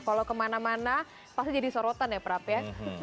kalau kemana mana pasti jadi sorotan ya prap ya